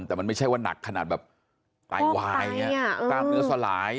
แต่ไม่ใช่ว่าหนักขนาดทายวายต๊าบเนื้อสลาย